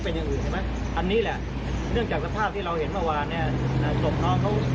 เป็นจริงอันนี้แหละเนื่องจากกระทาบที่เราเห็นเมื่อวานก็